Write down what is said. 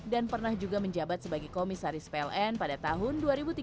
dan pernah juga menjabat sebagai komisaris pln pada tahun dua ribu tiga belas dua ribu lima belas